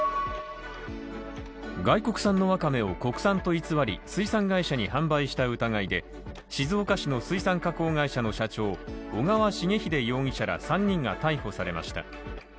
外国産のわかめを国産と偽り、水産会社に販売した疑いで静岡市の水産加工会社の社長、小川重英容疑者ら３人が逮捕されました。